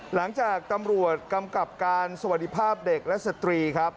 หลังจากตำรวจกำกับการสวัสดีภาพเด็กและสตรีครับ